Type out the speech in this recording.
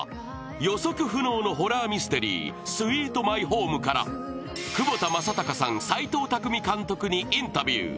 予測不能のホラーミステリー、「スイート・マイホーム」から窪田正孝さん、齊藤工監督にインタビュー。